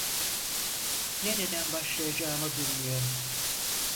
Nereden başlayacağımı bilmiyorum.